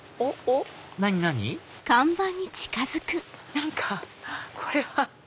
何かこれは。